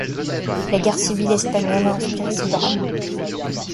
La guerre civile espagnole a inspiré ce drame.